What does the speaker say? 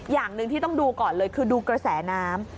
อย่างหนึ่งที่ต้องดูก่อนเลยคือดูกระแสน้ำ